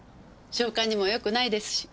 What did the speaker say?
消化にもよくないですし。